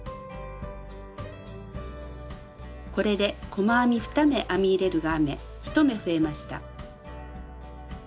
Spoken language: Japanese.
これで細編み２目編み入れるが編め１目増えました。